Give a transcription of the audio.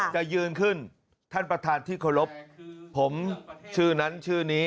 จะยืนขึ้นท่านประธานที่เคารพผมชื่อนั้นชื่อนี้